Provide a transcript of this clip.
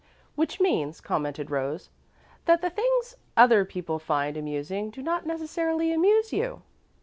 '" "Which means," commented Rose, "that the things other people find amusing do not necessarily amuse you."